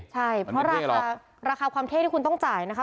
ใช่เพราะราคาราคาความเท่ที่คุณต้องจ่ายนะคะ